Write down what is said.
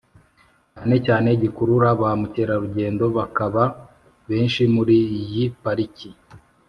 cyanecyane gikurura ba mukerarugendo bakaba benshi muri iyi pariki.